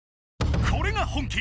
これが本気！